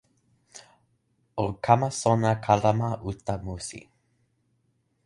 o kama sona kalama uta musi